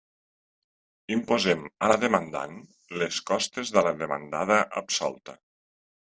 Imposem a la demandant les costes de la demandada absolta.